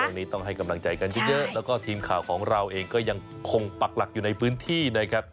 ตรงนี้ต้องให้กำลังใจกันเยอะแล้วก็ทีมข่าวของเราเองก็ยังคงปักหลักอยู่ในพื้นที่นะครับ